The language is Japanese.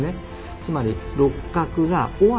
つまり六角が尾張